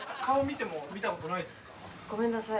ごめんなさい。